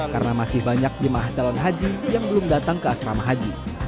karena masih banyak di mah calon haji yang belum datang ke asrama haji